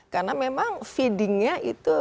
karena memang feedingnya itu